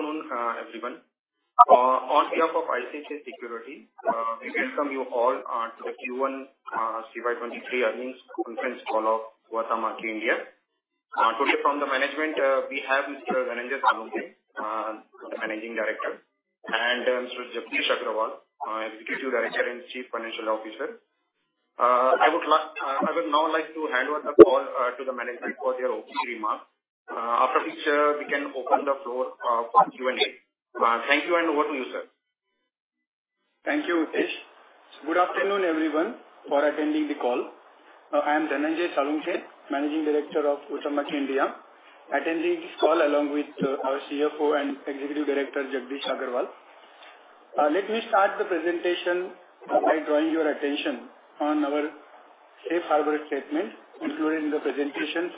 Good afternoon, everyone. On behalf of ICICI Securities, we welcome you all to the Q1 CY '23 Earnings Conference Call of Huhtamaki India. Today from the management, we have Mr. Dhananjay Salunkhe, Managing Director, and Mr. Jagdish Agarwal, Executive Director and Chief Financial Officer. I would now like to hand over the call to the management for their opening remarks, after which, we can open the floor for Q&A. Thank you. Over to you, sir. Thank you, Hitesh. Good afternoon, everyone, for attending the call. I am Dhananjay Salunkhe, Managing Director of Huhtamaki India, attending this call along with our CFO and Executive Director, Jagdish Agarwal. Let me start the presentation by drawing your attention on our Safe Harbor statement, including the presentation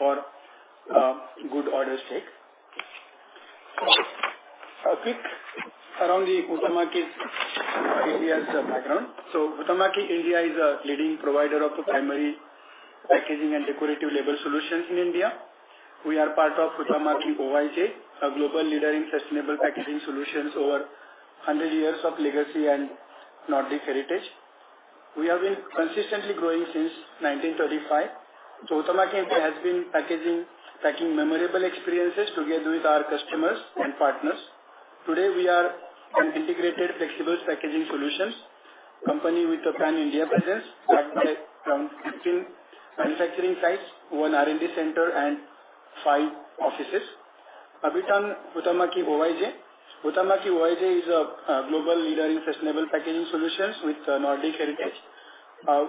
for good order sake. A quick around the Huhtamaki India's background. Huhtamaki India is a leading provider of the primary packaging and decorative label solutions in India. We are part of Huhtamäki Oyj, a global leader in sustainable packaging solutions, over 100 years of legacy and Nordic heritage. We have been consistently growing since 1935. Huhtamaki has been packing memorable experiences together with our customers and partners. Today, we are an integrated flexible packaging solutions company with a pan-India presence backed by 10 manufacturing sites, one R&D center, and five offices. A bit on Huhtamäki Oyj. Huhtamäki Oyj is a global leader in sustainable packaging solutions with Nordic heritage.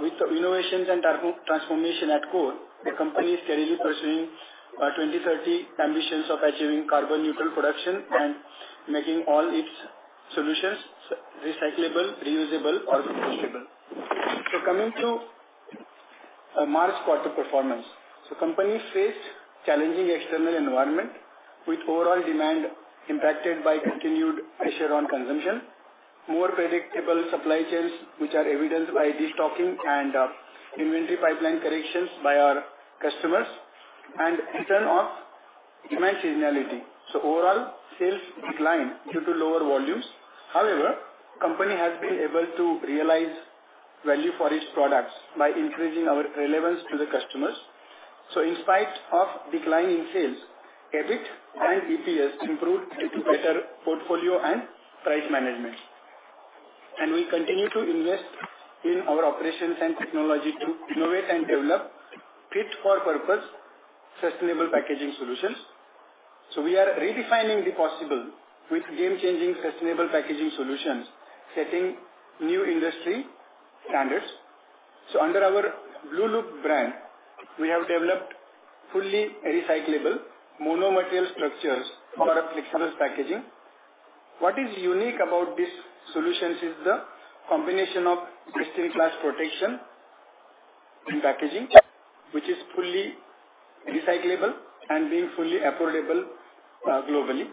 With innovations and transformation at core, the company is steadily pursuing 2030 ambitions of achieving carbon neutral production and making all its solutions Recyclable, Reusable, or Compostable. Coming to March quarter performance. Company faced challenging external environment, with overall demand impacted by continued pressure on consumption, more predictable supply chains, which are evidenced by destocking and inventory pipeline corrections by our customers, and return of demand seasonality. Overall, sales declined due to lower volumes. However, company has been able to realize value for its products by increasing our relevance to the customers. In spite of decline in sales, EBIT and EPS improved due to better portfolio and price management. We continue to invest in our operations and technology to innovate and develop fit-for-purpose sustainable packaging solutions. We are redefining the possible with game-changing sustainable packaging solutions, setting new industry standards. Under our blueloop brand, we have developed fully recyclable mono-material structures for our flexible packaging. What is unique about these solutions is the combination of best-in-class protection in packaging, which is fully recyclable and being fully affordable globally.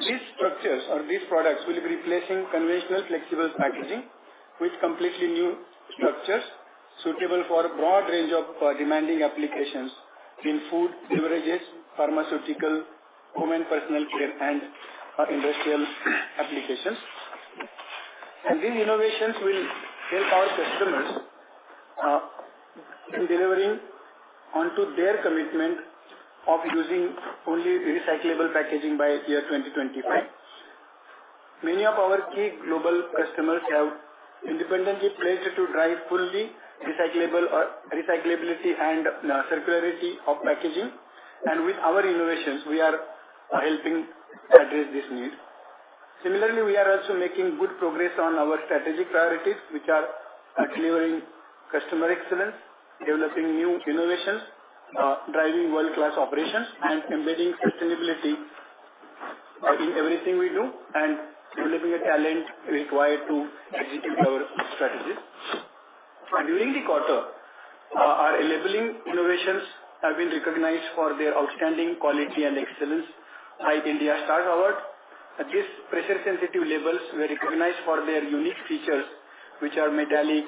These structures or these products will be replacing conventional flexible packaging with completely new structures suitable for a broad range of demanding applications in food, beverages, pharmaceutical, home and personal care, and industrial applications. These innovations will help our customers in delivering onto their commitment of using only recyclable packaging by year 2025. Many of our key global customers have independently pledged to drive fully recyclable or recyclability and circularity of packaging. With our innovations, we are helping address this need. Similarly, we are also making good progress on our strategic priorities, which are delivering customer excellence, developing new innovations, driving world-class operations, and embedding sustainability in everything we do, and developing a talent required to execute our strategies. During the quarter, our labeling innovations have been recognized for their outstanding quality and excellence by India Star Award. These pressure-sensitive labels were recognized for their unique features, which are metallic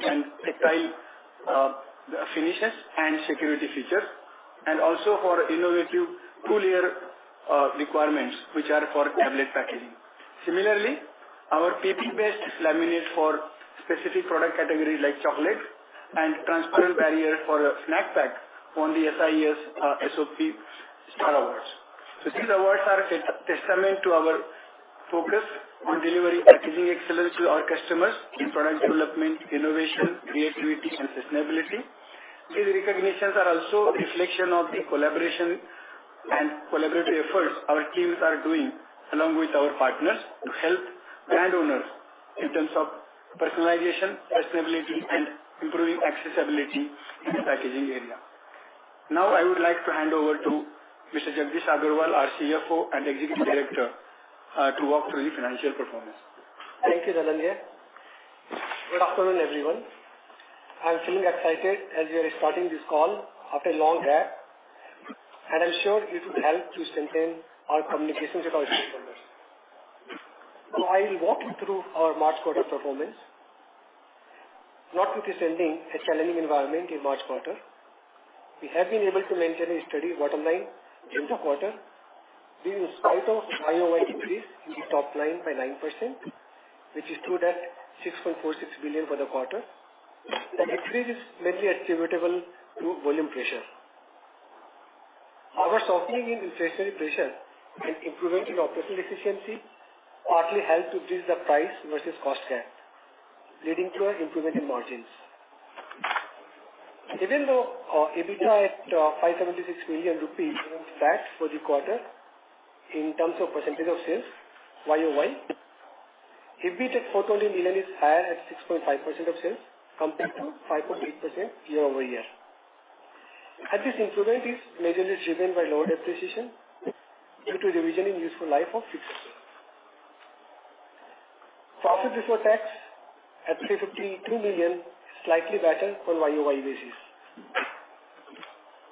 and tactile finishes and security features, and also for innovative tooling requirements which are for tablet packaging. Our PP-based laminates for specific product category like chocolate and transparent barrier for a snack pack won the SIES SOP Star Awards. These awards are a testament to our focus on delivering packaging excellence to our customers in product development, innovation, creativity, and sustainability. These recognitions are also a reflection of the collaboration and collaborative efforts our teams are doing along with our partners to help brand owners in terms of personalization, sustainability, and improving accessibility in the packaging area. Now, I would like to hand over to Mr. Jagdish Agarwal, our CFO and Executive Director, to walk through the financial performance. Thank you, Dhananjay. Good afternoon, everyone. I'm feeling excited as we are starting this call after a long gap. I'm sure it will help to strengthen our communications with our stakeholders. I'll walk you through our March quarter performance. Not with the sending a challenging environment in March quarter, we have been able to maintain a steady bottom line in the quarter despite of IOI increase in the top line by 9%, which is true that 6.46 billion for the quarter. The increase is mainly attributable to volume pressure. Our softening in inflationary pressure and improvement in operational efficiency partly helped to bridge the price versus cost gap, leading to an improvement in margins. Even though EBITDA at 576 million rupees backs for the quarter in terms of percentage of sales YoY, EBIT at 420 million is higher at 6.5% of sales compared to 5.8% year-over-year. This improvement is majorly driven by lower depreciation due to revision in useful life of 6%. Profit before tax at 352 million, slightly better on YoY basis.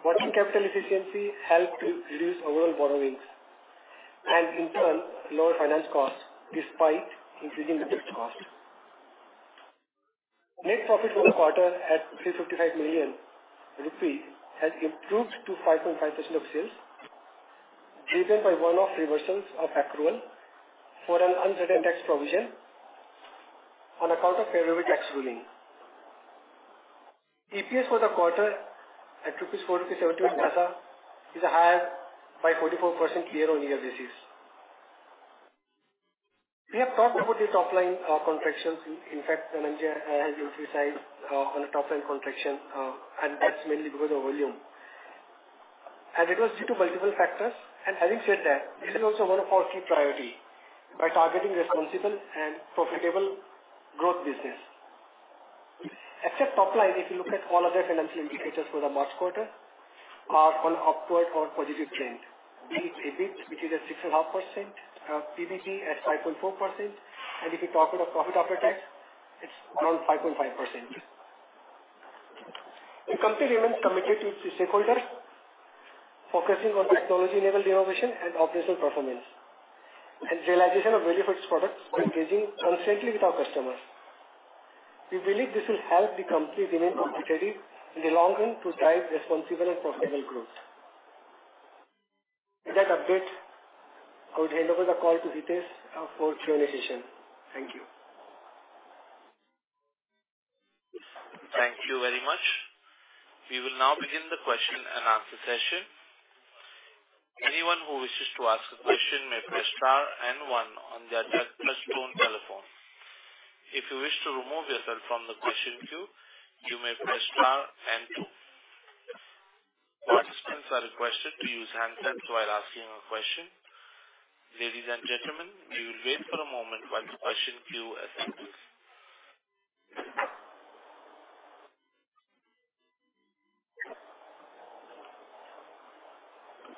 Working capital efficiency helped to reduce overall borrowings and in turn, lower finance costs despite increasing the debt cost. Net profit for the quarter at 355 million rupees has improved to 5.5% of sales, driven by one-off reversals of accrual for an uncertain tax provision on account of favorable tax ruling. EPS for the quarter at 4.71 rupees is higher by 44% year-on-year basis. We have talked about this top line contraction. In fact, Anuja has emphasized on the top line contraction, and that's mainly because of volume. It was due to multiple factors. Having said that, this is also one of our key priority by targeting responsible and profitable growth business. Except top line, if you look at all other financial indicators for the March quarter are on upward or positive trend. Be it EBIT, which is at 6.5%, PBT at 5.4%, and if you talk about Profit After Tax, it's around 5.5%. The company remains committed to its shareholders, focusing on technology-enabled innovation and operational performance, and realization of value for its products by engaging constantly with our customers. We believe this will help the company remain competitive in the long run to drive responsible and profitable growth. With that update, I would hand over the call to Hitesh for Q&A session. Thank you. Thank you very much. We will now begin the question-and-answer session. Anyone who wishes to ask a question may press star and one on their touch-tone telephone. If you wish to remove yourself from the question queue, you may press star and two. Participants are requested to use handsets while asking a question. Ladies and gentlemen, we will wait for a moment while the question queue is active.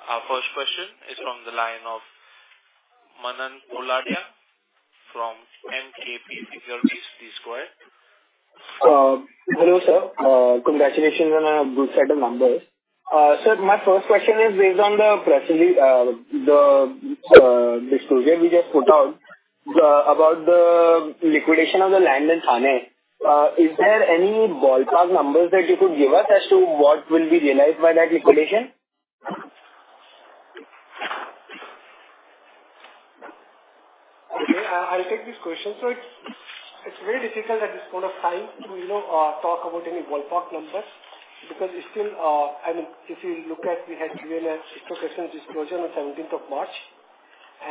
Our first question is from the line of Manan Poladia from MKP Securities. Please go ahead. Hello, sir. Congratulations on a good set of numbers. My first question is based on the press release, the disclosure we just put out, about the liquidation of the land in Thane. Is there any ballpark numbers that you could give us as to what will be realized by that liquidation? I'll take this question. It's very difficult at this point of time to, you know, talk about any ballpark numbers because it's still. I mean, if you look at, we had given a disclosure on 17th of March.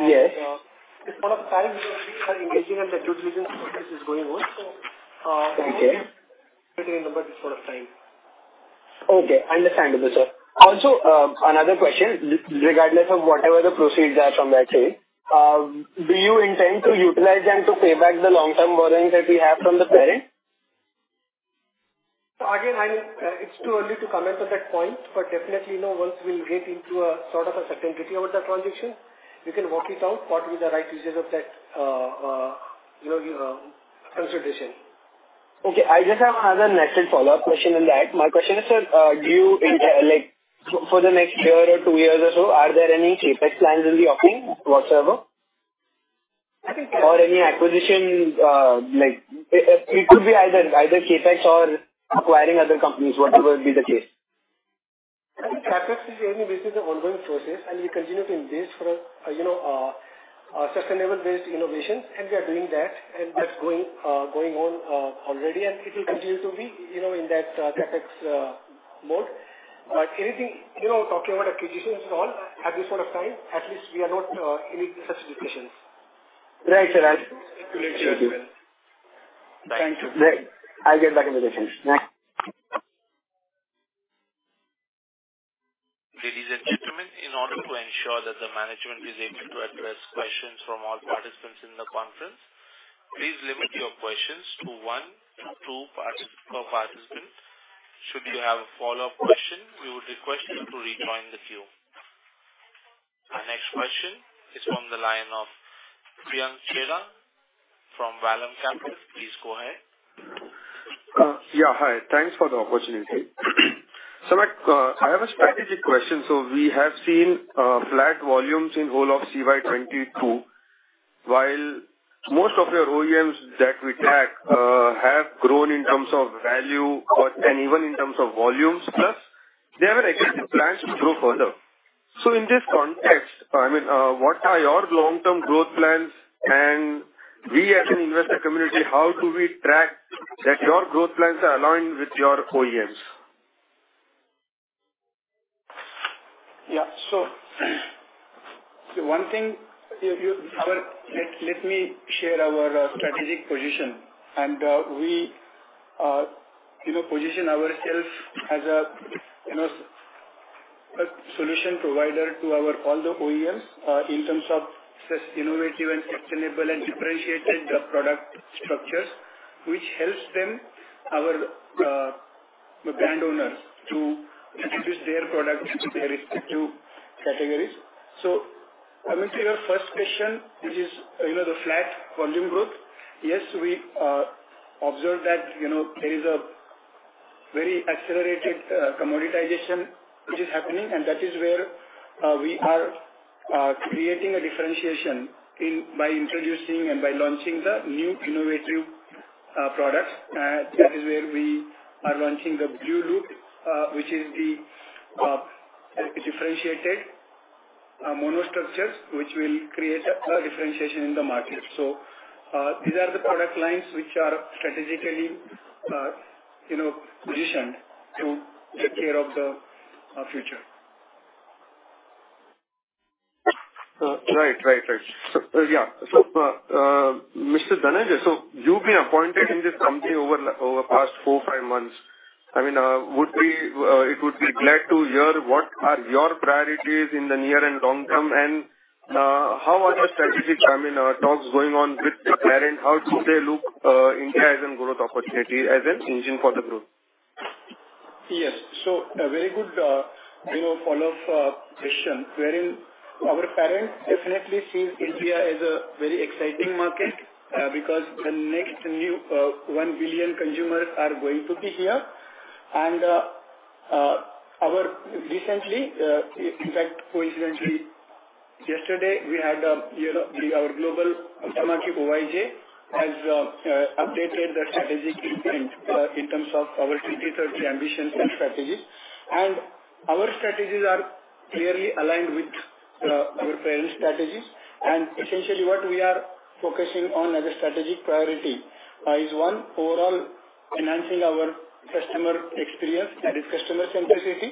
Yes. At this point of time, we are engaging and the due diligence process is going on. Okay. We can't give any number at this point of time. Okay, understandable, sir. Another question. Regardless of whatever the proceeds are from that sale, do you intend to utilize them to pay back the long-term borrowings that we have from the parent? Again, I mean, it's too early to comment on that point, but definitely, you know, once we'll get into a sort of a certainty about that transaction, we can work it out, what will be the right usage of that, you know, consideration. Okay. I just have another natural follow-up question on that. My question is, sir, do you intend, like, for the next year or two years or so, are there any CapEx plans in the offing whatsoever? I think- Any acquisition, like it could be either CapEx or acquiring other companies, whatever be the case. I think CapEx is anyway an ongoing process, and we continue to invest for, you know, sustainable-based innovation, and we are doing that, and that's going on, already, and it will continue to be, you know, in that, CapEx, mode. Anything, you know, talking about acquisitions and all at this point of time, at least we are not, in any such discussions. Right, sir. Until and unless- Thank you. Thanks. Right. I'll get back into the queue. Thanks. Ladies and gentlemen, in order to ensure that the management is able to address questions from all participants in the conference, please limit your questions to one to two per participant. Should you have a follow-up question, we would request you to rejoin the queue. Our next question is from the line of Priyank Chheda from Vallum Capital. Please go ahead. Yeah. Hi. Thanks for the opportunity. Like, I have a strategic question. We have seen flat volumes in whole of CY 2022. While most of your OEMs that we track have grown in terms of value or and even in terms of volumes plus they have an aggressive plan to grow further. In this context, I mean, what are your long-term growth plans? We as an investor community, how do we track that your growth plans are aligned with your OEMs? Yeah. Let me share our strategic position and we, you know, position ourself as a, you know, a solution provider to our all the OEMs in terms of such innovative and sustainable and differentiated product structures, which helps them, our the brand owners to introduce their product into their respective categories. Coming to your first question, which is, you know, the flat volume growth. Yes, we observe that, you know, there is a very accelerated commoditization which is happening, and that is where we are creating a differentiation in by introducing and by launching the new innovative products. That is where we are launching the blueloop, which is the differentiated mono structures which will create a differentiation in the market. These are the product lines which are strategically, you know, positioned to take care of the future. Right. Right. Right. Yeah. Mr. Dhananjay, so you've been appointed in this company over the, over the past four, five months. I mean, it would be glad to hear what are your priorities in the near and long term, and, how are your strategic, I mean, talks going on with the parent? How do they look, India as a growth opportunity, as an engine for the growth? Yes. A very good, you know, follow-up question wherein our parent definitely sees India as a very exciting market because the next new 1 billion consumers are going to be here. Our recently, in fact, coincidentally yesterday we had, you know, our global Huhtamäki Oyj has updated the strategic intent in terms of our 2030 ambition and strategies. Our strategies are clearly aligned with our parent strategies. Essentially what we are focusing on as a strategic priority is one, overall enhancing our customer experience, that is customer centricity,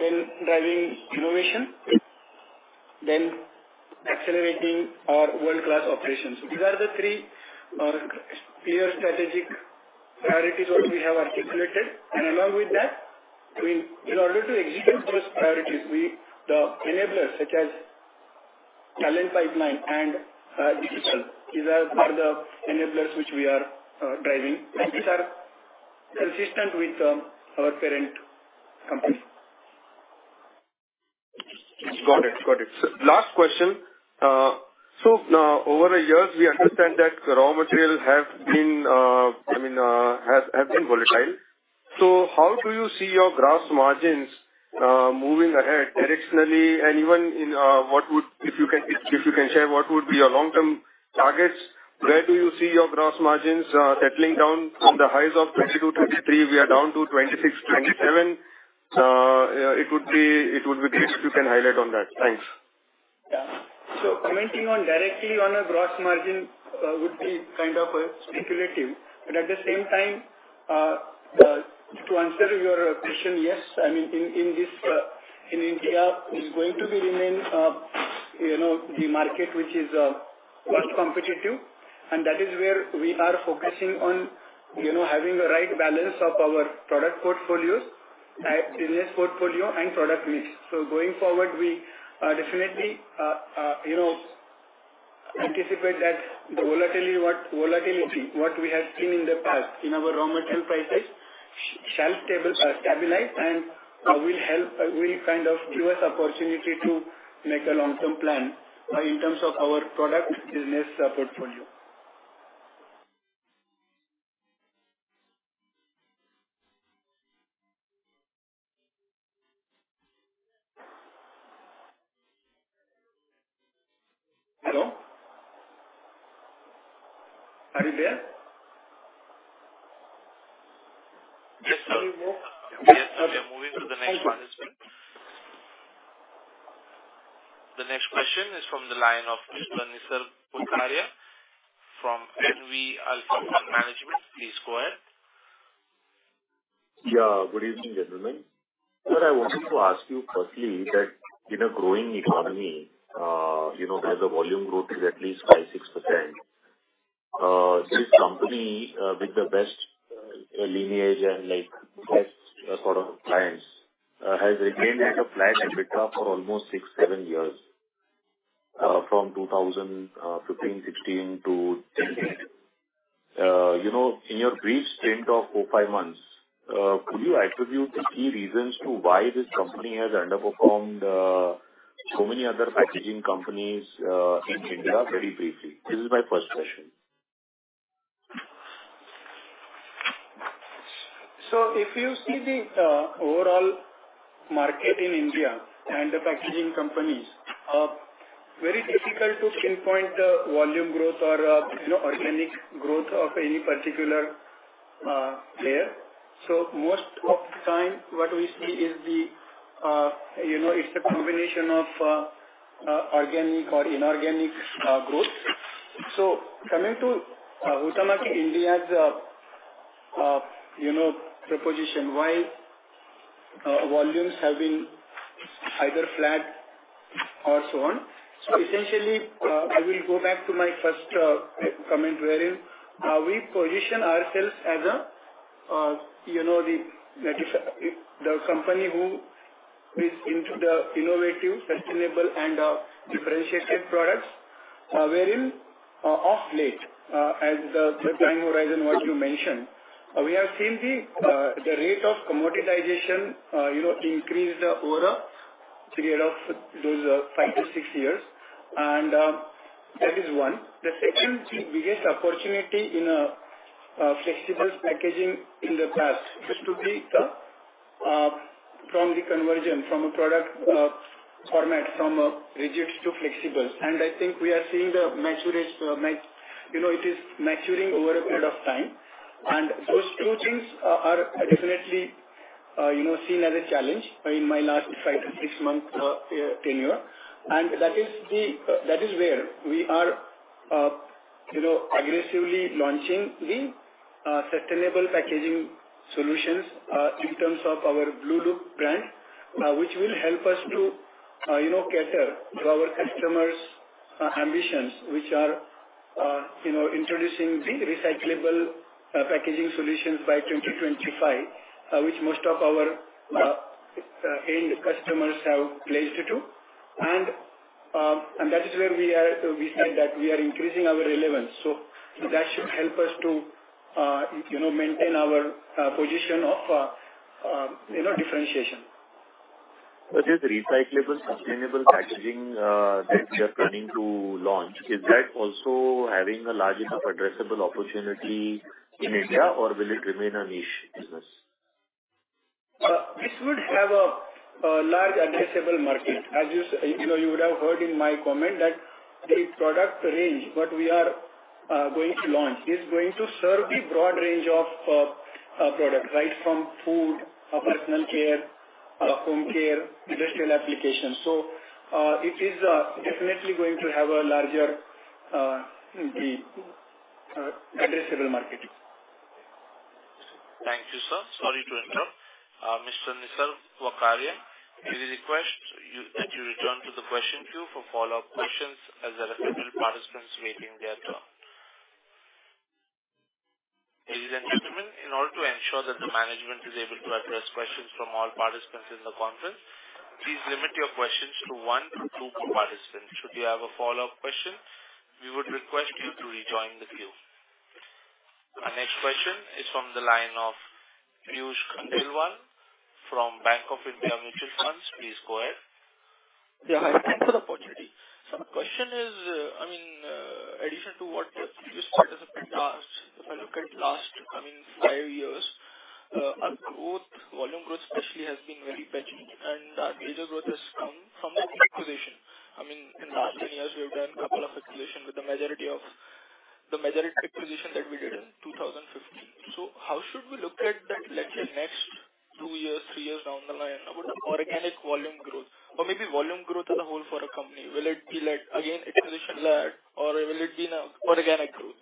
then driving innovation, then accelerating our world-class operations. These are the three clear strategic priorities what we have articulated. Along with that, I mean, in order to execute those priorities, we, the enablers such as talent pipeline and digital, these are the enablers which we are driving, and these are consistent with our parent company. Got it. Got it. Last question. Over the years we understand that raw materials have been volatile. How do you see your gross margins moving ahead directionally and even in what would, if you can share what would be your long-term targets? Where do you see your gross margins settling down from the highs of 22%, 23%, we are down to 26%, 27%. It would be great if you can highlight on that. Thanks. Yeah. Commenting on directly on a gross margin, would be kind of speculative, but at the same time, to answer your question, yes. I mean, in this, in India is going to be remain, you know, the market which is quite competitive, and that is where we are focusing on, you know, having the right balance of our product portfolios, business portfolio and product mix. Going forward, we definitely, you know, anticipate that the volatility, what we have seen in the past in our raw material prices shall stabilize and will kind of give us opportunity to make a long-term plan, in terms of our product business, portfolio. Hello? Are you there? Yes, sir. We are moving to the next question. The next question is from the line of Mr. Nisarg Vakharia from NV Alpha Fund Management. Please go ahead. Good evening, gentlemen. I wanted to ask you firstly that in a growing economy, you know, where the volume growth is at least 5%-6%, this company, with the best lineage and like best sort of clients, has remained at a flat EBITDA for almost six to seven years, from 2015-2016 to 2018. You know, in your brief stint of four to five months, could you attribute the key reasons to why this company has underperformed so many other packaging companies in India very briefly? This is my first question. If you see the overall market in India and the packaging companies, very difficult to pinpoint the volume growth or, you know, organic growth of any particular player. Most of the time what we see is the, you know, it's a combination of organic or inorganic growth. Coming to Huhtamaki India's, you know, proposition, why volumes have been either flat or so on. I will go back to my first comment wherein we position ourselves as a, you know, the like the company who is into the innovative, sustainable and differentiated products, wherein off late, as the time horizon what you mentioned, we have seen the rate of commoditization, you know, increase over a period of those five to six years. That is one. The second biggest opportunity in flexible packaging in the past is to be the from the conversion from a product format from a rigid to flexible. We are seeing the maturation, it is maturing over a period of time. Those two things are definitely, you know, seen as a challenge in my last five to six months of tenure. That is where we are, you know, aggressively launching the sustainable packaging solutions in terms of our blueloop brand, which will help us to, you know, cater to our customers' ambitions, which are, you know, introducing the recyclable packaging solutions by 2025, which most of our end customers have pledged to do. That is where we are, we said that we are increasing our relevance. That should help us to, you know, maintain our position of, you know, differentiation. This recyclable, sustainable packaging, that you're planning to launch, is that also having a large enough addressable opportunity in India or will it remain a niche business? This would have a large addressable market. As you know, you would have heard in my comment that the product range, what we are going to launch is going to serve a broad range of products, right from food, personal care, home care, industrial applications. It is definitely going to have a larger addressable market. Thank you, sir. Sorry to interrupt. Mr. Nisarg Vakharia, it is a request that you return to the question queue for follow-up questions as there are several participants waiting their turn. Ladies and gentlemen, in order to ensure that the management is able to address questions from all participants in the conference, please limit your questions to 1 to 2 per participant. Should you have a follow-up question, we would request you to rejoin the queue. Our next question is from the line of Piyush Khandelwal from Bank of India Mutual Fund. Please go ahead. Yeah. Hi. Thanks for the opportunity. My question is, I mean, addition to what the previous participant asked. If I look at last, I mean, five years, our growth, volume growth especially has been very patchy, and our major growth has come from the acquisition. I mean, in last 10 years we have done couple of acquisition with the majority of the majority acquisition that we did in 2015. How should we look at that, let's say next two years, three years down the line about the organic volume growth or maybe volume growth as a whole for a company? Will it be like again acquisition led or will it be an organic growth?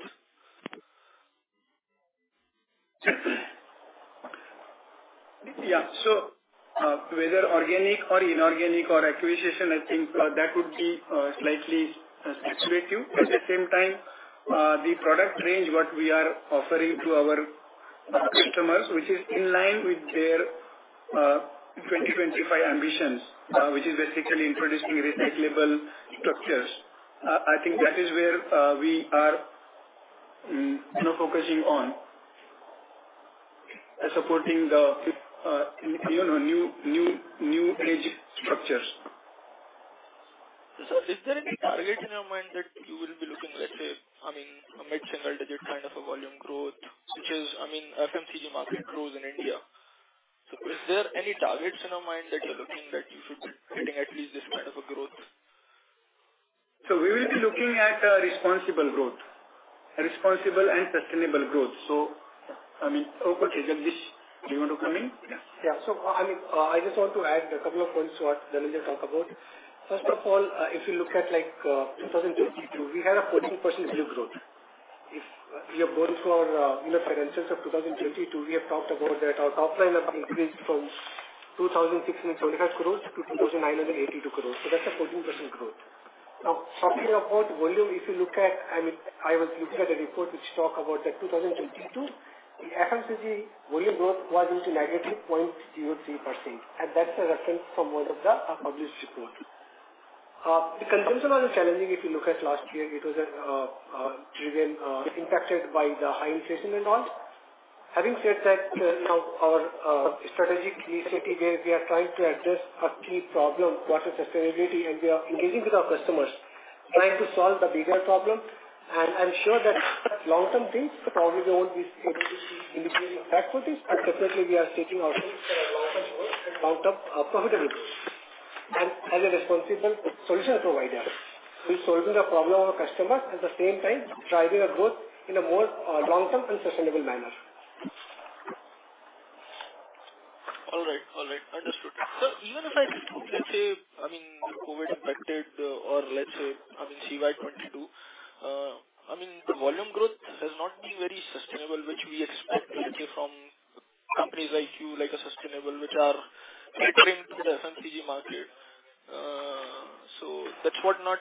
Yeah. Whether organic or inorganic or acquisition, I think that would be slightly speculative. At the same time, the product range, what we are offering to our customers, which is in line with their 2025 ambitions, which is basically introducing recyclable structures. I think that is where we are, you know, focusing on supporting the, you know, new age structures. Sir, is there any targets in your mind that you will be looking, let's say, I mean, a mid-single digit kind of a volume growth, which is, I mean, FMCG market grows in India? Is there any targets in your mind that you're looking that you should be hitting at least this kind of a growth? We will be looking at a responsible growth. A responsible and sustainable growth. I mean... Oh, Jagdish, do you want to come in? Yeah. I mean, I just want to add a couple of points to what Dhananjay talked about. First of all, if you look at like, 2022, we had a 14% revenue growth. If we are going through our, you know, financials of 2022, we have talked about that our top line has increased from 2,675 crores to 2,982 crores. That's a 14% growth. Now, talking about volume, if you look at, I mean, I was looking at a report which talk about that 2022, the FMCG volume growth was into -0.03%, and that's a reference from one of the published reports. The consumption was challenging if you look at last year because of driven, impacted by the high inflation and all. Having said that, you know, our strategic initiative where we are trying to address a key problem, what is sustainability, and we are engaging with our customers trying to solve the bigger problem. I'm sure that long-term things probably they won't be able to see individually impact with this. Definitely we are stating our case for long-term growth and long-term profitability. As a responsible solution provider, we're solving the problem of our customers, at the same time driving our growth in a more long-term and sustainable manner. All right. All right. Understood. Even if I, let's say, I mean, COVID impacted or let's say, I mean, CY 2022, I mean, the volume growth has not been very sustainable, which we expect actually from companies like you, like a sustainable which are entering to the FMCG market. That's what not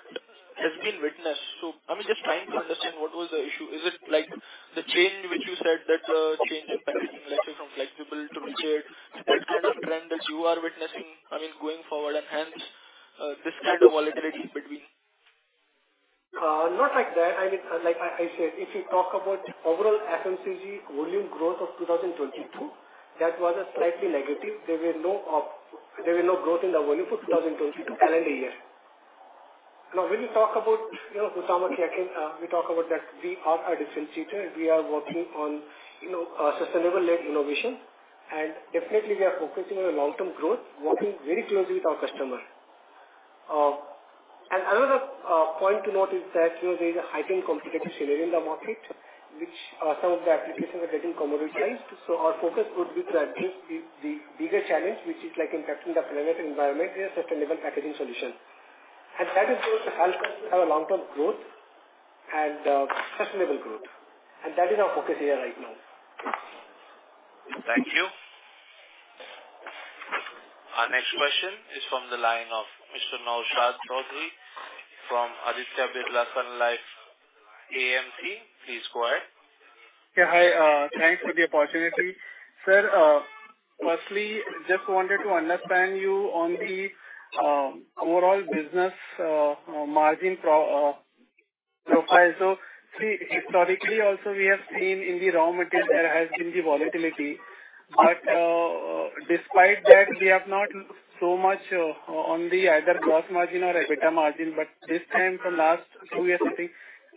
has been witnessed. I'm just trying to understand what was the issue. Is it like the change which you said that, change in packaging, let's say, from flexible to rigid, that kind of trend that you are witnessing, I mean, going forward and hence, this kind of volatility between... Not like that. I mean, like I said, if you talk about overall FMCG volume growth of 2022, that was slightly negative. There were no growth in the volume for 2022 calendar year. When you talk about, you know, Huhtamaki, actually, I can, we talk about that we are a differentiator and we are working on, you know, sustainable-led innovation, and definitely we are focusing on a long-term growth, working very closely with our customer. Another, point to note is that, you know, there is a heightened competition within the market which, some of the applications are getting commoditized. Our focus would be to address the bigger challenge, which is like impacting the planetary environment, we have sustainable packaging solution. That is going to help us have a long-term growth and sustainable growth. That is our focus here right now. Thank you. Our next question is from the line of Mr. Naushad Chaudhary from Aditya Birla Sun Life AMC. Please go ahead. Yeah, hi. Thanks for the opportunity. Sir, firstly, just wanted to understand you on the overall business margin profile. See, historically also we have seen in the raw material there has been the volatility. Despite that, we have not so much on the either gross margin or EBITDA margin. This time from last two years, I think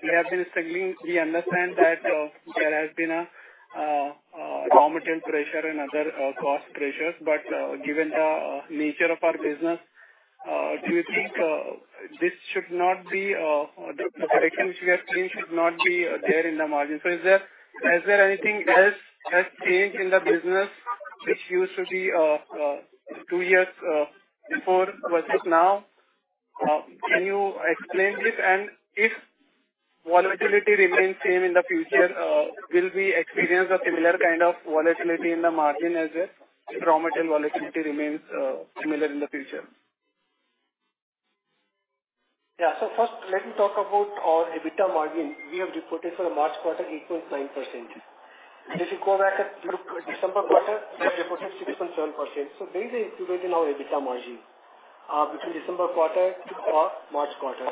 we have been struggling. We understand that there has been a raw material pressure and other cost pressures. Given the nature of our business, do you think this should not be the protection which we are seeing should not be there in the margin? Is there anything else that changed in the business which used to be two years before versus now? Can you explain this? If volatility remains same in the future, will we experience a similar kind of volatility in the margin as well if raw material volatility remains similar in the future? First let me talk about our EBITDA margin. We have reported for the March quarter 8.9%. If you go back at December quarter, we have reported 6.7%. There is a improvement in our EBITDA margin between December quarter to our March quarter.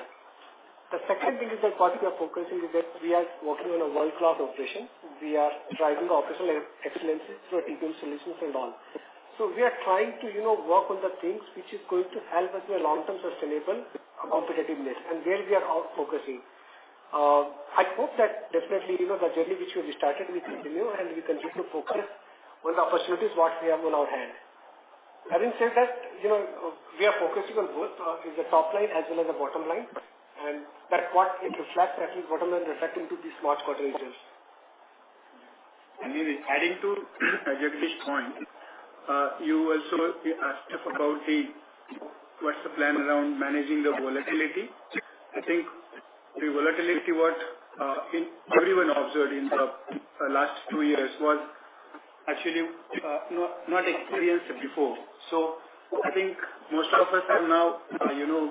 The second biggest part we are focusing is that we are working on a world-class operation. We are driving operational excellence through TQM solutions and all. We are trying to, you know, work on the things which is going to help us with long-term sustainable competitiveness, and there we are all focusing. I hope that definitely, you know, the journey which we started, we continue and we continue to focus on the opportunities what we have in our hand. Having said that, you know, we are focusing on both, is the top line as well as the bottom line, and that what it reflects, actually bottom line reflecting to this March Quarter results. Maybe adding to Jagdish's point, you also asked us about the what's the plan around managing the volatility. I think the volatility what in everyone observed in the last two years was actually not experienced before. I think most of us are now, you know,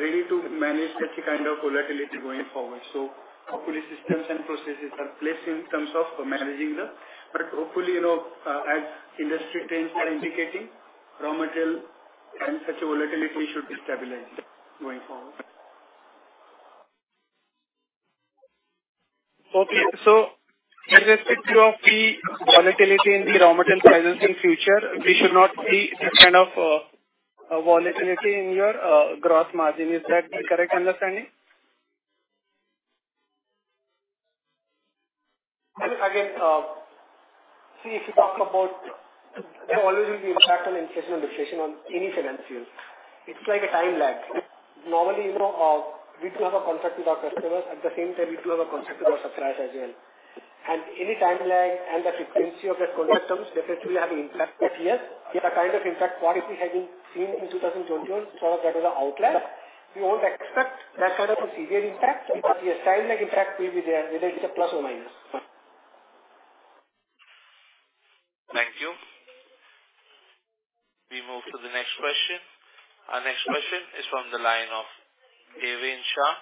ready to manage such kind of volatility going forward. Hopefully systems and processes are placed in terms of managing that. Hopefully, you know, as industry trends are indicating, raw material and such a volatility should be stabilized going forward. Irrespective of the volatility in the raw material prices in future, we should not see such kind of volatility in your gross margin. Is that the correct understanding? See, if you talk about there will always be impact on inflation on any financials. It's like a time lag. Normally, you know, we do have a contract with our customers. At the same time, we do have a contract with our suppliers as well. Any time lag and the frequency of that contract terms definitely have impact that year. If the kind of impact what we have been seeing in 2021, some of that was the outlier. We won't expect that kind of a severe impact because the time lag impact will be there, whether it's a plus or minus. Thank you. We move to the next question. Our next question is from the line of Deven Shah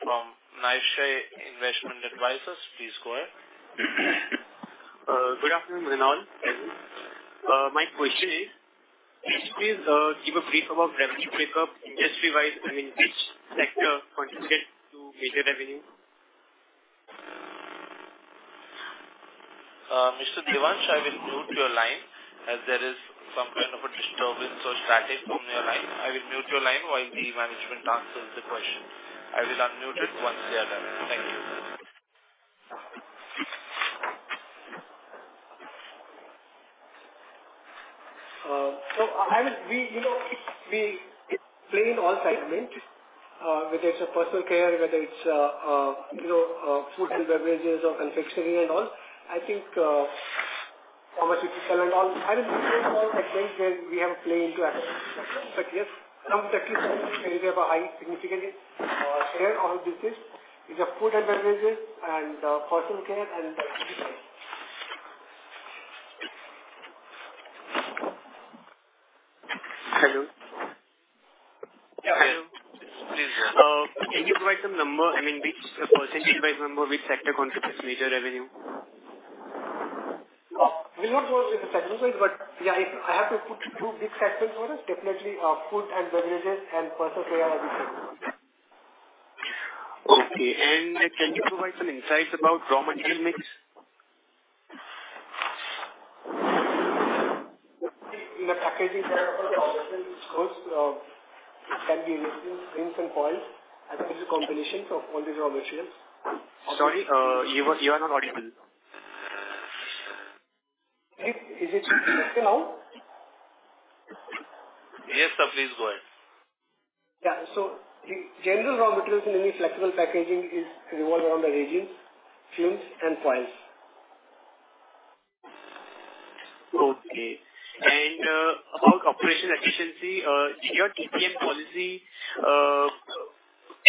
from Niveshaay Investment Advisors. Please go ahead. Good afternoon, everyone. My question is, please give a brief about revenue breakup industry-wise, I mean which sector contributes to major revenue? Mr. Deven Shah, I will mute your line as there is some kind of a disturbance or static on your line. I will mute your line while the management answers the question. I will unmute it once they are done. Thank you. We, you know, we play in all segments, whether it's a personal care, whether it's, you know, food and beverages or confectionery and all. I think pharmaceutical and all. I think we play in all segments where we have a play into it. Yes, some sectors which have a high significant share of our business is the food and beverages and personal care. Hello? Yeah. Hello. Please go ahead. Can you provide some number, I mean, which percentage-wise number which sector contributes major revenue? We won't go into the segment wise, but yeah, I have to put two big sectors for us. Definitely, food and beverages and personal care are the two. Okay. Can you provide some insights about raw material mix? In the packaging side of the raw materials, those can be resins, inks and foils. I think it's a combination of all these raw materials. Sorry, you are not audible. Is it okay now? Yes, sir. Please go ahead. Yeah. The general raw materials in any flexible packaging is revolved around the resins, fumes and foils. Okay. about operational efficiency, did your TPM policy improve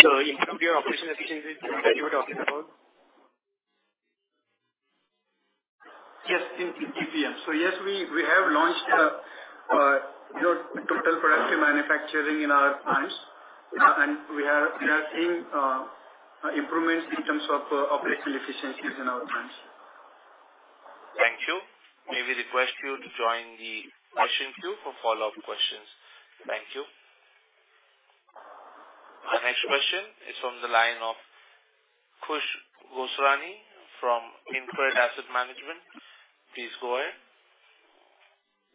your operational efficiency that you were talking about? Yes. In TPM. Yes, we have launched a, you know, total productive manufacturing in our plants, and we are seeing improvements in terms of operational efficiencies in our plants. Thank you. May we request you to join the question queue for follow-up questions. Thank you. Our next question is from the line of Khush Gosrani from InCred Asset Management. Please go ahead.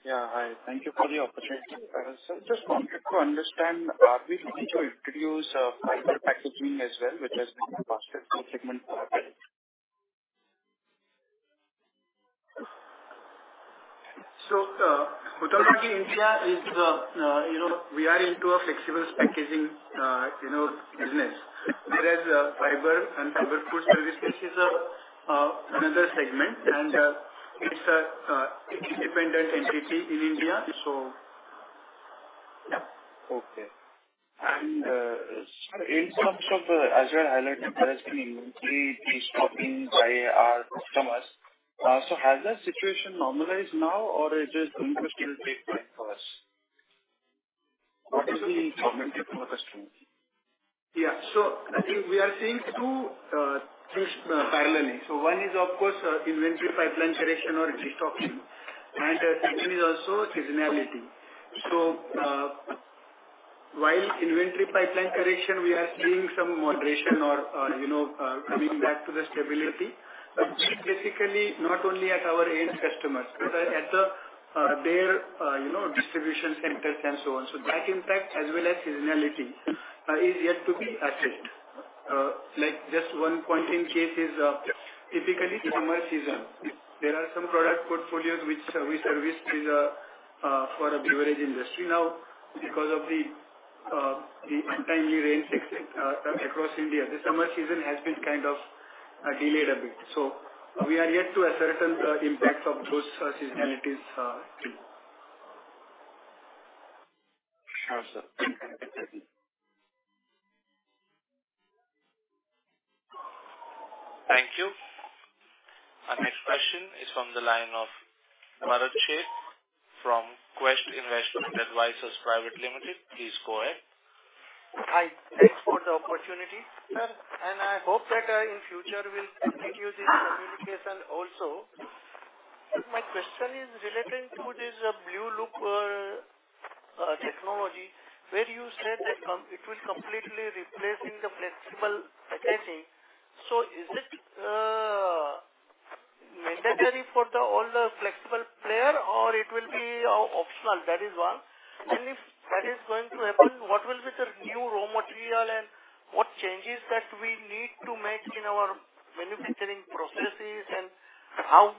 Yeah. Hi. Thank you for the opportunity. I just wanted to understand, are we looking to introduce, fiber packaging as well, which has been a positive segment for a while? Huhtamaki India is, you know, we are into a flexible packaging, you know, business. Fiber and fiber food services is a another segment and, it's a independent entity in India. Yeah. Okay. In terms of the Azure highlight, there has been inventory destockings by our customers. Has that situation normalized now or is this something which will take time for us? What is the inventory question? Yeah. I think we are seeing two things parallelly. One is of course, inventory pipeline correction or destocking, and second is also seasonality. While inventory pipeline correction we are seeing some moderation or, you know, coming back to the stability. Basically not only at our end customers, but at their, you know, distribution centers and so on. That impact as well as seasonality is yet to be assessed. Like just one point in case is, typically summer season, there are some product portfolios which we service for a beverage industry. Because of the untimely rain season across India, the summer season has been kind of delayed a bit. We are yet to ascertain the impacts of those seasonalities too. Sure, sir. Thank you. Our next question is from the line of Bharat Sheth from Quest Investment Advisors Private Limited. Please go ahead. Hi. Thanks for the opportunity. I hope that in future we'll continue this communication also. My question is relating to this blueloop technology where you said that it will completely replacing the flexible packaging. Is it mandatory for the all the flexible player or it will be optional? That is one. If that is going to happen, what will be the new raw material and what changes that we need to make in our manufacturing processes and how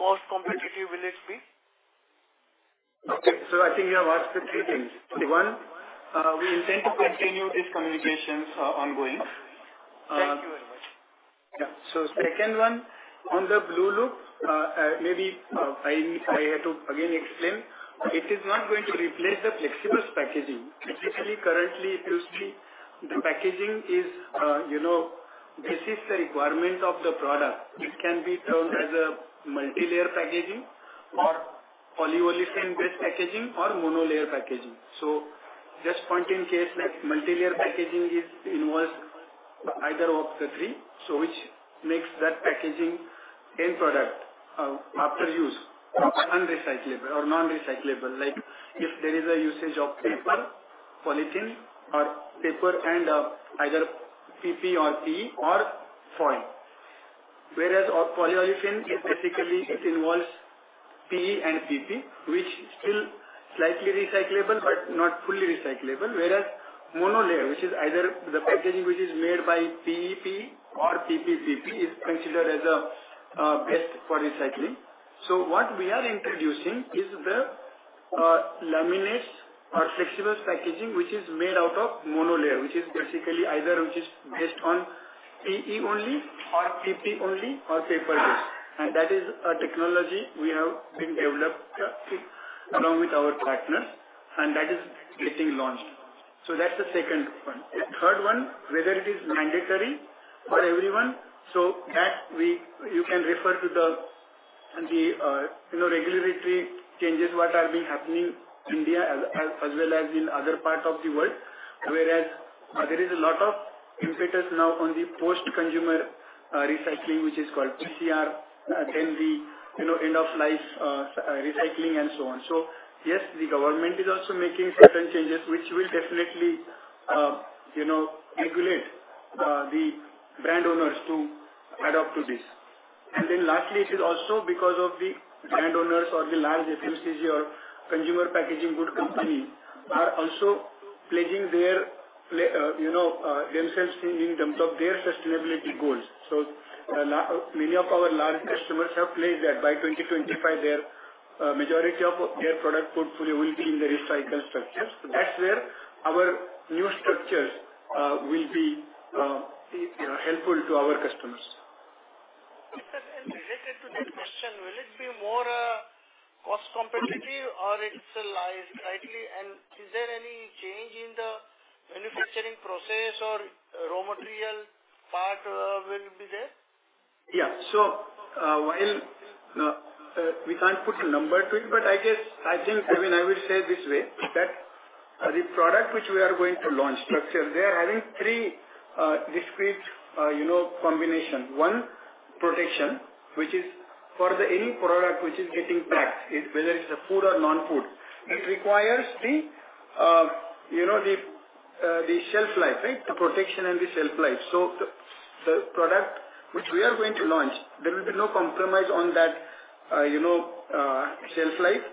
cost competitive will it be? Okay. I think you have asked the three things. One, we intend to continue these communications, ongoing. Thank you very much. Second one on the blueloop, maybe, I have to again explain. It is not going to replace the flexible packaging. Typically, currently if you see the packaging is, you know, this is the requirement of the product. It can be termed as a multilayer packaging or polyolefin-based packaging or monolayer packaging. Just point in case like multilayer packaging involves either of the three, which makes that packaging end product, after use unrecyclable or non-recyclable. Like if there is a usage of paper, polythene or paper and, either PP or PE or foil. Whereas our polyolefin is basically, it involves PE and PP, which still slightly recyclable but not fully recyclable. Whereas monolayer, which is either the packaging which is made by PE/PE or PP/PE, is considered as a best for recycling. What we are introducing is the laminates or flexible packaging, which is made out of monolayer, which is basically either which is based on PE only or PP only or paper-based. That is a technology we have been developed along with our partners and that is getting launched. That's the second one. Third one, whether it is mandatory for everyone, you can refer to the regulatory changes, what are being happening India as well as in other parts of the world. Whereas, there is a lot of impetus now on the post-consumer recycling, which is called PCR, then the, you know, end-of-life recycling and so on. Yes, the government is also making certain changes which will definitely, you know, regulate the brand owners to adapt to this. Lastly, it is also because of the brand owners or the large FMCG or consumer packaging good company are also pledging their you know, themselves in terms of their sustainability goals. Many of our large customers have pledged that by 2025 their majority of their product portfolio will be in the recycled structures. That's where our new structures will be, you know, helpful to our customers. Related to that question, will it be more cost competitive or is there any change in the manufacturing process or raw material part will be there? Yeah. while we can't put a number to it, but I just, I think, I mean, I will say this way, that the product which we are going to launch structures, they are having three discrete, you know, combination. One, protection, which is for the any product which is getting packed, whether it's a food or non-food, it requires the, you know, the shelf life, right? The protection and the shelf life. The, the product which we are going to launch, there will be no compromise on that, you know, shelf life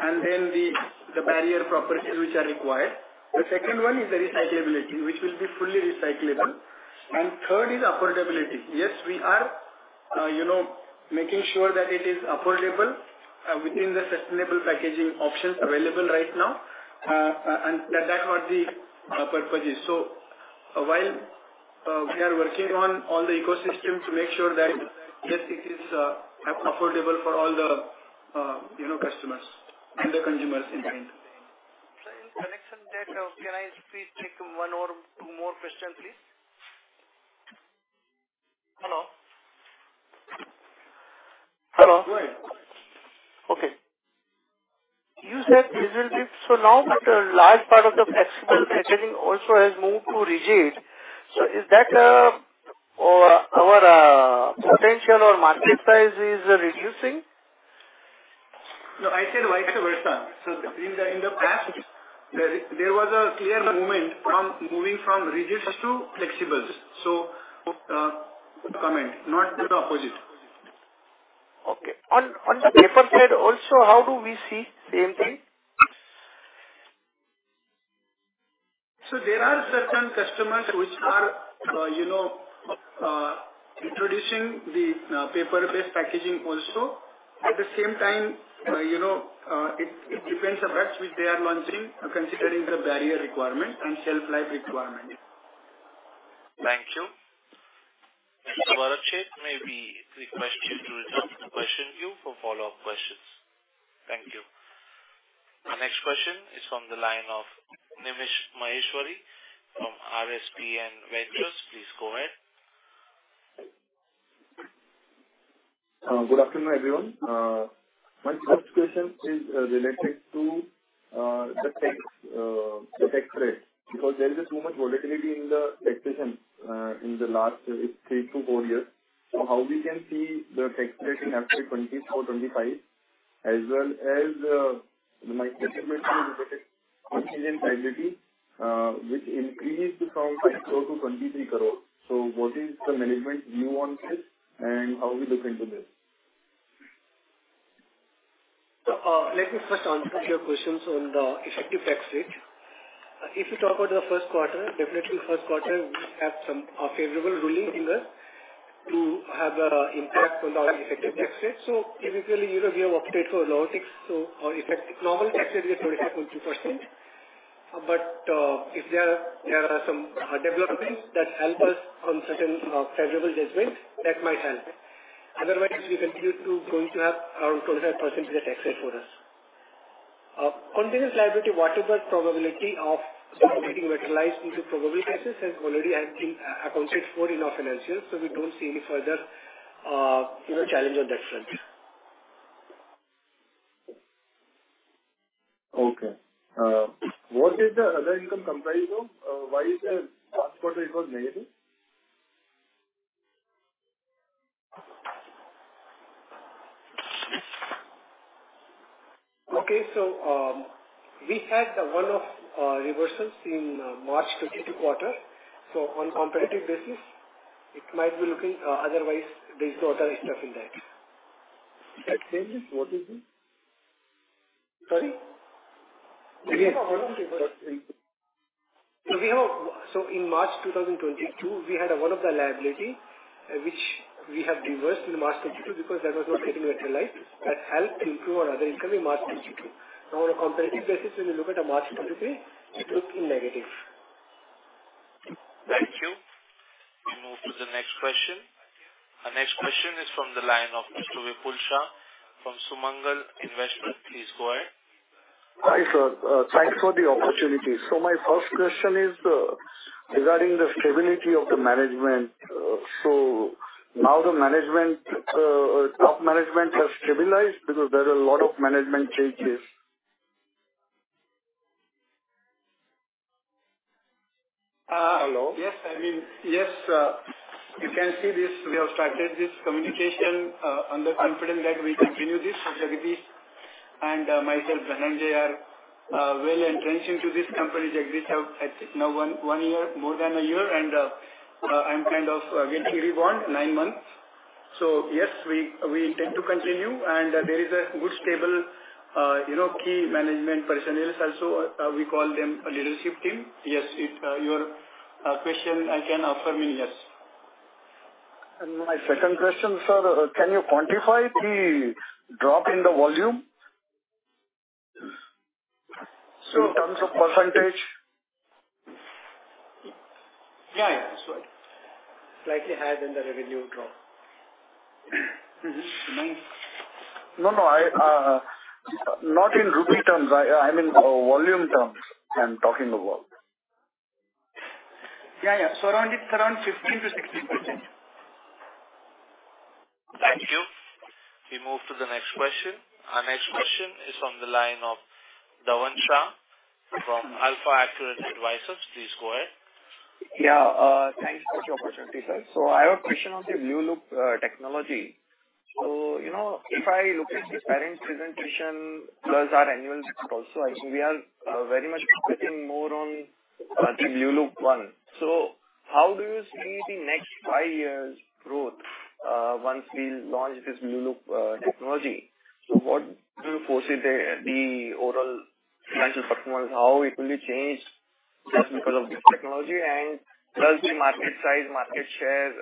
and then the barrier properties which are required. The second one is the recyclability, which will be fully recyclable. Third is affordability. Yes, we are, you know, making sure that it is affordable, within the sustainable packaging options available right now, and that's what the purpose is. While we are working on all the ecosystem to make sure that, yes, it is affordable for all the, you know, customers and the consumers in mind. Sir, in connection that, can I please take one more, two more question, please? Hello? Go ahead. Okay. You said this will be... Now that a large part of the flexible packaging also has moved to rigid, is that our potential or market size reducing? No, I said vice versa. In the past there was a clear movement from moving from rigids to flexibles. Comment, not the opposite. Okay. On the paper side also, how do we see same thing? There are certain customers which are, you know, introducing the paper-based packaging also. At the same time, you know, it depends on which they are launching, considering the barrier requirement and shelf life requirement. Thank you. Mr. Bharat Sheth may we request you to return to question you for follow-up questions. Thank you. The next question is from the line of Nimish Maheshwari from RSPN Ventures. Please go ahead. Good afternoon, everyone. My first question is related to the tax, the tax rate, because there is too much volatility in the taxation in the last three to four years. How we can see the tax rate in actually 2024, 2025? As well as, my second question is about contingent liability, which increased from 5 crore to 23 crore. What is the management view on this and how we look into this? Let me first answer your questions on the effective tax rate. If you talk about the first quarter, definitely first quarter we have some favorable ruling in the, to have a impact on the effective tax rate. Typically, you know, we have opted for low tax. Our normal tax rate is 30%-31%. If there are some development that help us on certain favorable judgment, that might help. Otherwise we continue to going to have around 12.5% tax rate for us. Contingent liability, whatever probability of getting materialized into probably assets has already, I think, accounted for in our financials. We don't see any further, you know, challenge on that front. Okay. What is the other income comprised of? Why is the last quarter it was negative? We had the one of reversals in March 2022 quarter. On competitive basis, it might be looking otherwise there is no other stuff in that. That changes. What is it? Sorry. In March 2022, we had a one of the liability, which we have reversed in March 2022 because that was not getting utilized. That helped improve our other income in March 2022. On a competitive basis, when you look at a March 2023, it looks negative. Thank you. We move to the next question. Our next question is from the line of Mr. Vipul Shah from Sumangal Investments. Please go ahead. Hi, sir. Thanks for the opportunity. My first question is regarding the stability of the management. Now the management, top management has stabilized because there's a lot of management changes. Hello? Yes. I mean, yes. You can see this. We have started this communication on the confidence that we continue this. Jagdish and myself, Dhananjay, are well entrenched into this company. Jagdish have, I think now one year, more than a year, and I'm kind of getting reborn, nine months. Yes, we intend to continue and there is a good stable, you know, key management personnel also, we call them a leadership team. Yes, if your question I can affirm in yes. My second question, sir, can you quantify the drop in the volume? So- In terms of percentage? Yeah, yeah, sure. Slightly higher than the revenue drop. No, no, I, not in rupee terms. I mean volume terms I'm talking about. Yeah, yeah. Around it, around 50%-60%. Thank you. We move to the next question. Our next question is on the line of Dhavan Shah from AlfAccurate Advisors. Please go ahead. Yeah. Thanks for the opportunity, sir. I have a question on the blueloop technology. You know, if I look at the parent presentation plus our annual report also, I think we are very much focusing more on the blueloop one. How do you see the next 5 years growth once we launch this blueloop technology? What do you foresee the overall financial performance? How it will change just because of this technology? And plus the market size, market share,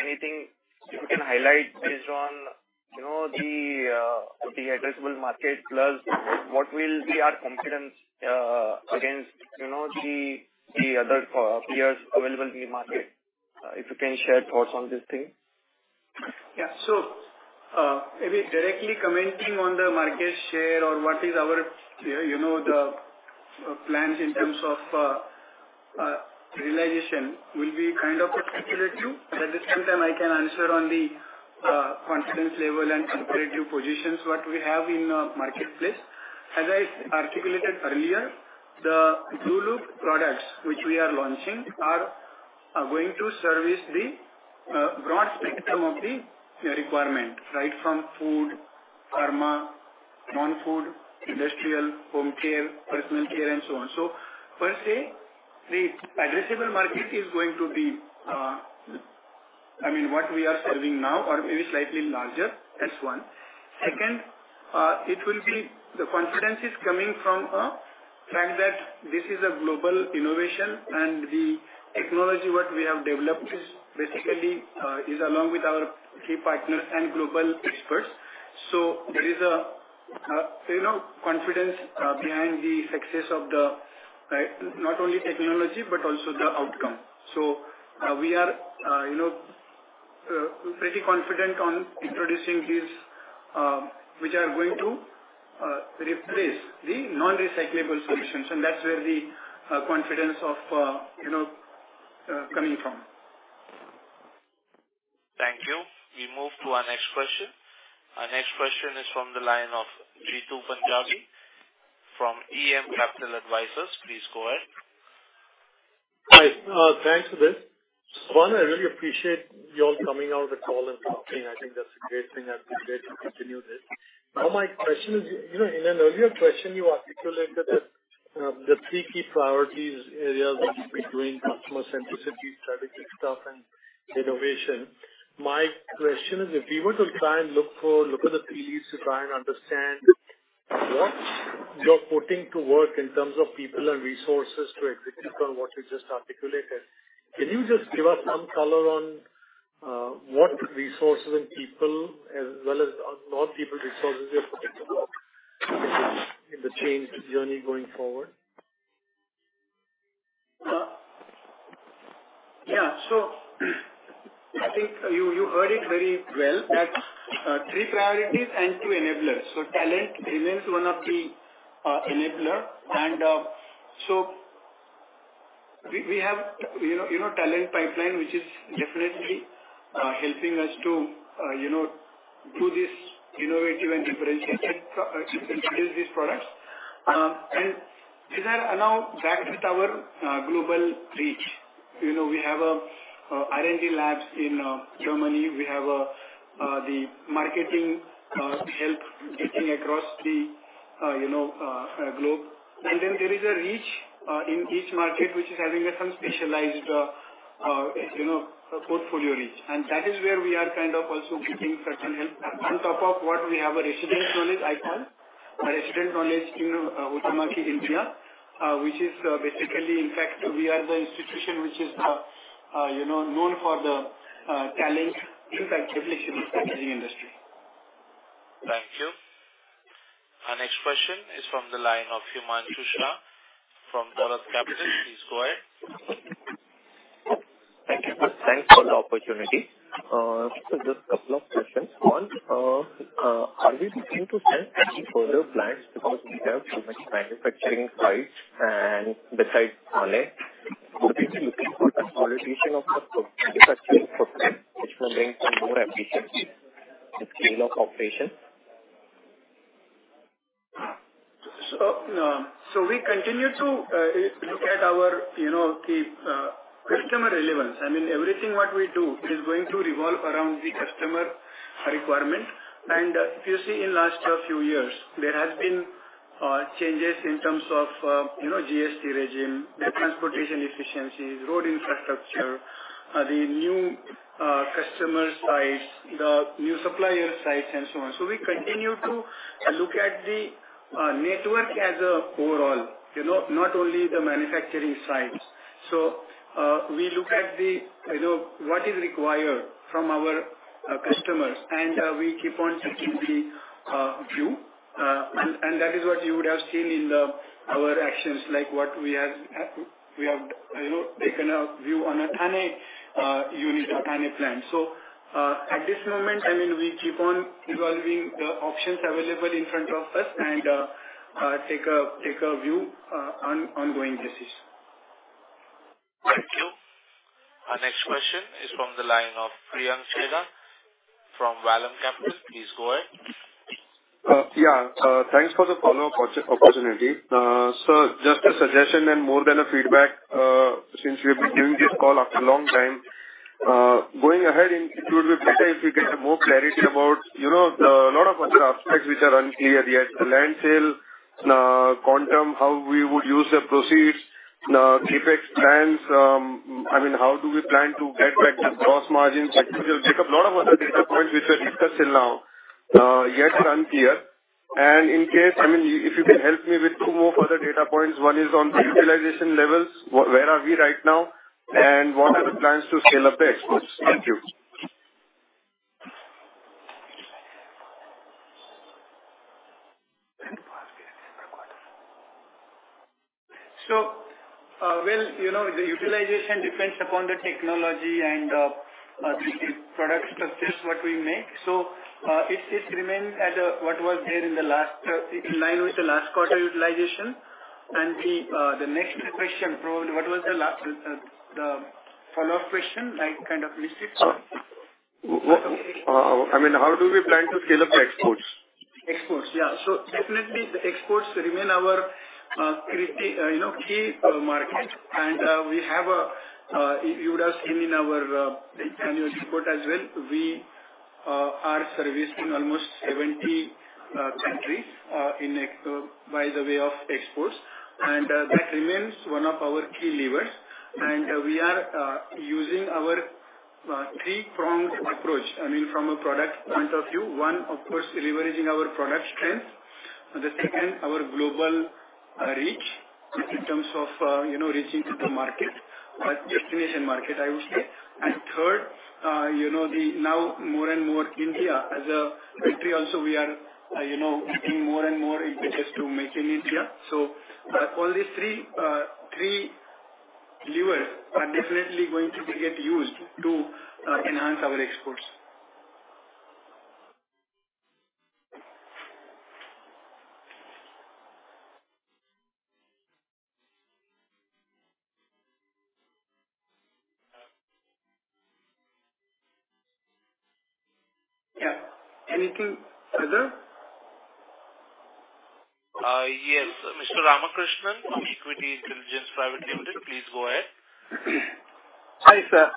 anything you can highlight based on, you know, the addressable market plus what will be our confidence against, you know, the other peers available in the market? If you can share thoughts on this thing. Maybe directly commenting on the market share or what is our, you know, the plans in terms of realization will be kind of speculative. At the same time I can answer on the confidence level and comparative positions what we have in the marketplace. As I articulated earlier, the blueloop products which we are launching are going to service the broad spectrum of the requirement, right from food, pharma, non-food, industrial, home care, personal care and so on. Per se, the addressable market is going to be, I mean, what we are serving now or maybe slightly larger as one. Second, it will be the confidence is coming from fact that this is a global innovation and the technology what we have developed is basically is along with our key partners and global experts. There is a, you know, confidence behind the success of the not only technology but also the outcome. We are, you know, pretty confident on introducing these which are going to replace the non-recyclable solutions. That's where the confidence of, you know, coming from. Thank you. We move to our next question. Our next question is from the line of Jeetu Panjabi from EM Capital Advisors. Please go ahead. Hi. Thanks Hitesh. One, I really appreciate you all coming out of the call and talking. I think that's a great thing. I'd be great to continue this. My question is, you know, in an earlier question you articulated that the three key priorities areas would be doing customer centricity, strategic stuff and innovation. My question is, if we were to try and look at the three Es to try and understand what you're putting to work in terms of people and resources to execute on what you just articulated, can you just give us some color on what resources and people as well as non-people resources you're putting to work in the change journey going forward? Yeah. I think you heard it very well. That's three priorities and two enablers. Talent remains one of the enabler. We have, you know, you know, talent pipeline, which is definitely helping us to, you know, do this innovative and differentiation introduce these products. These are now backed with our global reach. You know, we have R&D labs in Germany. We have the marketing help getting across the, you know, globe. Then there is a reach in each market which is having some specialized, you know, portfolio reach. That is where we are kind of also getting certain help. On top of what we have a resident knowledge icon, a resident knowledge, you know, Huhtamaki India, which is basically, in fact, we are the institution which is, you know, known for the talent, in fact, depletion in packaging industry. Thank you. Our next question is from the line of Himanshu Shah from Dorado Capital. Please go ahead. Thank you. Thanks for the opportunity. Just a couple of questions. One, are we looking to sell any further plants because we have so much manufacturing sites and besides Thane, would we be looking for a consolidation of the production process which will bring some more efficiency in scale of operation? We continue to look at our, you know, the customer relevance. I mean, everything what we do is going to revolve around the customer requirement. If you see in last few years, there has been changes in terms of, you know, GST regime, the transportation efficiency, road infrastructure, the new customer sites, the new supplier sites, and so on. We continue to look at the network as a overall, you know, not only the manufacturing sites. We look at the, you know, what is required from our customers, and we keep on taking the view. That is what you would have seen in the, our actions, like what we have, you know, taken a view on a Thane unit, a Thane plant. At this moment, I mean, we keep on evolving the options available in front of us and take a view on ongoing basis. Thank you. Our next question is from the line of Priyank Chheda from Vallum Capital. Please go ahead. Yeah, thanks for the follow-up opportunity. Just a suggestion and more than a feedback, since you've been doing this call after a long time. Going ahead, it would be better if you can have more clarity about, you know, the lot of aspects which are unclear yet. The land sale, quantum, how we would use the proceeds, CapEx plans, I mean, how do we plan to get back the gross margins? Actually, there's a lot of other data points which were discussed till now, yet unclear. In case, I mean, if you can help me with two more further data points. One is on the utilization levels, where are we right now, and what are the plans to scale up the exports? Thank you. Well, you know, the utilization depends upon the technology and the product structures, what we make. It just remains at what was there in the last in line with the last quarter utilization. The next question, probably what was the last the follow-up question? I kind of missed it. What, I mean, how do we plan to scale up the exports? Exports, yeah. Definitely the exports remain our, you know, key market. We have a, if you would have seen in our annual report as well, we are servicing almost 70 countries by the way of exports. That remains one of our key levers. We are using our three-pronged approach, I mean, from a product point of view. One, of course, leveraging our product strength. The second, our global reach in terms of, you know, reaching to the market or destination market, I would say. Third, you know, the now more and more India as a country also we are, you know, getting more and more impetus to Make in India. All these three levers are definitely going to get used to enhance our exports. Yeah. Anything further? Yes. Mr. Ramakrishnan from Equity Intelligence Private Limited, please go ahead. Hi, sir.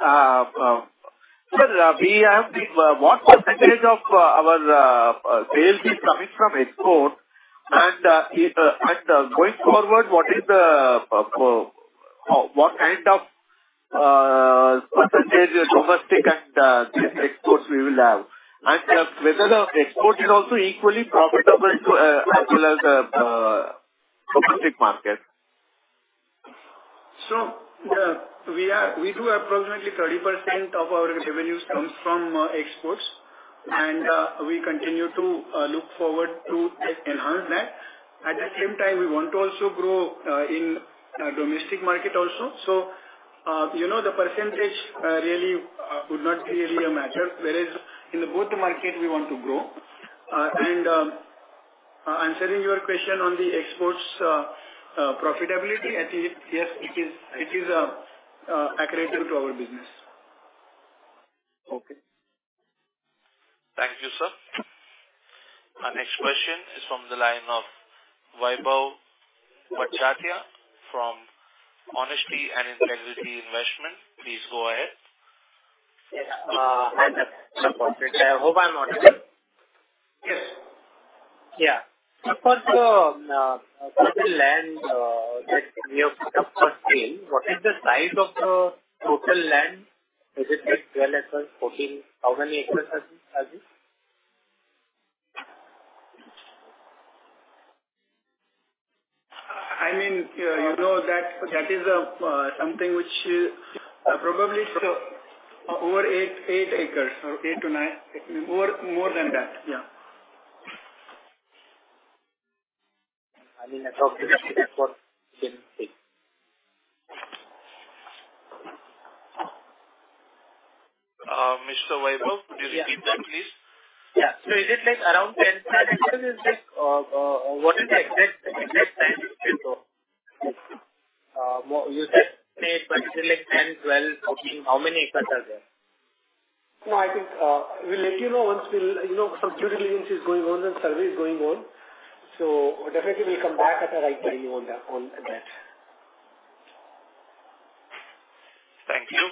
Sir, what percentage of our sales is coming from export? Going forward, what is the what kind of percentage domestic and exports we will have? Whether the export is also equally profitable to as well as domestic market? We do approximately 30% of our revenues comes from exports. We continue to look forward to enhance that. At the same time, we want to also grow in domestic market also. You know, the percentage really would not really matter, whereas in the both the market we want to grow. Answering your question on the exports profitability, I think, yes, it is accretive to our business. Okay. Thank you, sir. Our next question is from the line of Vaibhav Badjatya from Honesty and Integrity Investment. Please go ahead. Yes. Hi, that's No problem. I hope I'm audible. Yes. First, for the land that you have put up for sale, what is the size of the total land? Is it like 12 acres, 14? How many acres are these? I mean, you know, that is something which probably over 8 acres or 8-9. More than that. Yeah. I mean, I talked to Mr. Vaibhav, could you repeat that, please? Yeah. Is it like around 10 or what is the exact size of the plot? You said it's between like 10, 12, 14. How many acres are there? No, I think, we'll let you know once. You know, some due diligence is going on and survey is going on. Definitely we'll come back at the right time on that, on that. Thank you.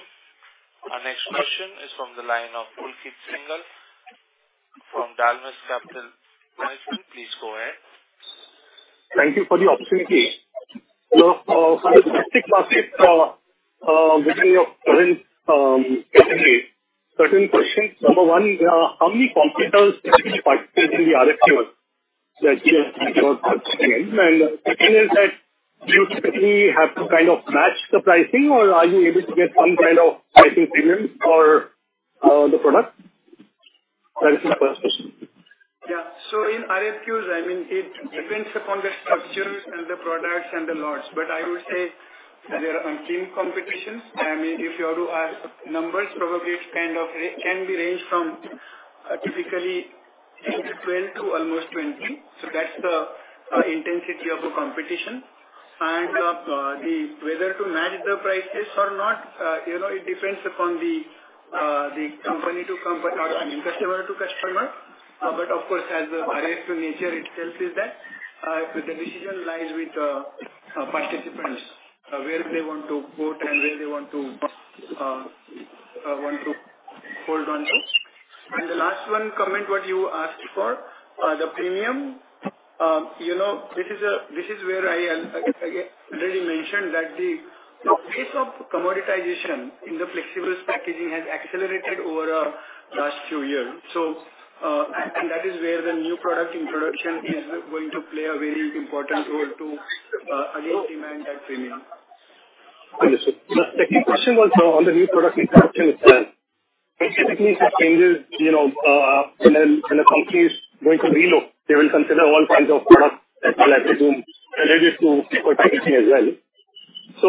Our next question is from the line of Pulkit Singhal from Dalmus Capital. Please go ahead. Thank you for the opportunity. Your specific market within your current category. Certain questions. Number one, how many competitors typically participate in the RFQs? Like, you know, second is that do you typically have to kind of match the pricing or are you able to get some kind of pricing premium for the product? That is my first question. In RFQs, I mean, it depends upon the structures and the products and the lots. I would say there are on team competitions. I mean, if you have to ask numbers, probably it kind of can be ranged from, typically 12 to almost 20. That's the intensity of a competition. The whether to match the prices or not, you know, it depends upon the company to company or, I mean, customer to customer. Of course, as RFQ nature itself is that, the decision lies with participants, where they want to quote and where they want to hold on to. The last one comment what you asked for, the premium, you know, this is, this is where I already mentioned that the pace of commoditization in the flexibles packaging has accelerated over last few years. That is where the new product introduction is going to play a very important role to again demand that premium. Understood. The second question was on the new product introduction plan. It typically changes, you know, when a, when a company is going to reload, they will consider all kinds of products that will actually do related to packaging as well. So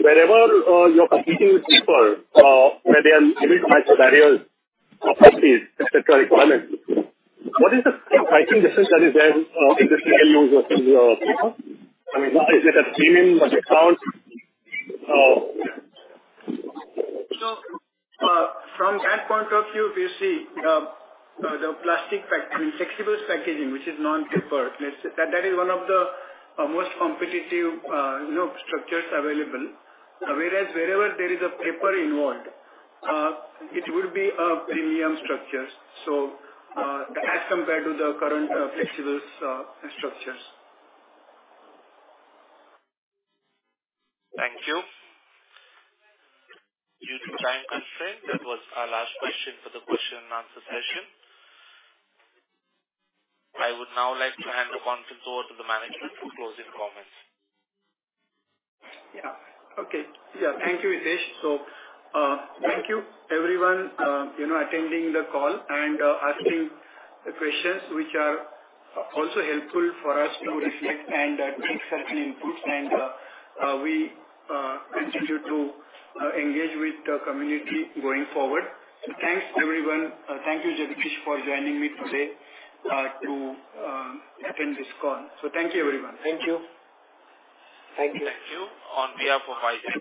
whenever, you're competing with paper, where they are able to match the barriers, properties, et cetera, requirements, what is the pricing difference that is there, in the single use versus, paper? I mean, is it a premium or discount? From that point of view, we see the plastic pack, I mean, flexibles packaging, which is non-paper, let's say that is one of the most competitive, you know, structures available. Whereas wherever there is a paper involved, it would be a premium structure. As compared to the current flexibles structures. Thank you. Due to time constraint, that was our last question for the question and answer session. I would now like to hand the conference over to the management for closing comments. Yeah. Okay. Yeah. Thank you, Hitesh. Thank you everyone, you know, attending the call and asking the questions which are also helpful for us to reflect and take certain inputs and we continue to engage with the community going forward. Thanks, everyone. Thank you Jagdish for joining me today to attend this call. Thank you, everyone. Thank you. Thank you. Thank you on behalf of Hitesh.